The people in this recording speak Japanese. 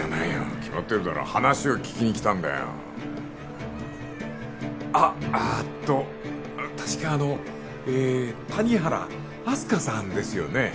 決まってるだろ話を聞きに来たんだよあッあっと確かあの谷原明日香さんですよね？